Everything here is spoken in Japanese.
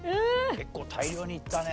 結構大量にいったね。